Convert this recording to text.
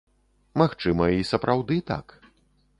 Магчыма, і сапраўды так.